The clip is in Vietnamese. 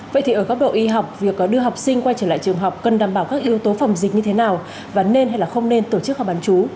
vậy thì ở góc độ y học việc đưa học sinh quay trở lại trường học cần đảm bảo các yếu tố phòng dịch như thế nào và nên hay là không nên tổ chức học bán chú